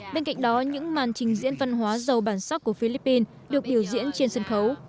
bên cạnh đó những màn trình diễn văn hóa giàu bản sắc của philippines được biểu diễn trên sân khấu